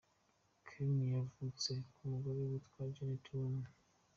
Karen, yavutse , ku mugore witwa Janet Bowen ;.